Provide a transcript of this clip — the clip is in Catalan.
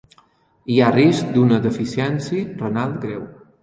Hi ha risc d'una deficiència renal greu.